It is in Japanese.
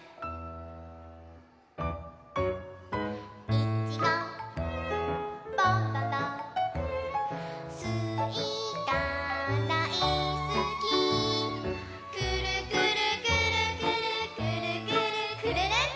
「いちご」「バナナ」「すいかだいすき」「くるくるくるくるくるくるくるるん！」